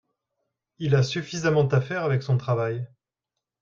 Il a suffisamment à faire avec son travail.